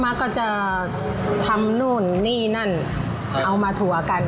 ักก็จะทำนู่นนี่นั่นเอามาถั่วกัน